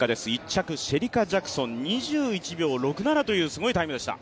１着シェリカ・ジャクソン２１秒６７というすごいタイムでした。